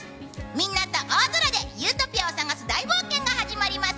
みんなと大空でユートピアを探す大冒険が始まります。